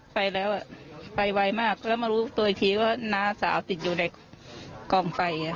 ไปแล้วไปไวมากแล้วมารู้ตัวอีกทีว่าน้าสาวติดอยู่ในกองไฟอย่างนี้